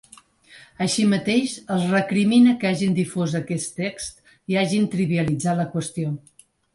Així mateix, els recrimina que hagin difós aquest text i hagin ‘trivialitzat’ la qüestió.